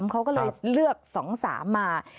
เขาก็เลยเลือก๒๓มา